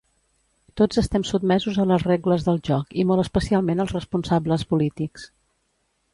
Tots estem sotmesos a les regles de joc i molt especialment els responsables polítics.